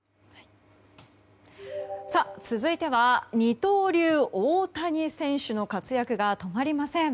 続いては二刀流、大谷選手の活躍が止まりません。